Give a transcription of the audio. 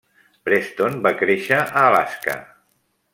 Preston va créixer a Alaska.